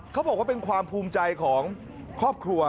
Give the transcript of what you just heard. เขาบอกว่าเป็นความภูมิใจของครอบครัว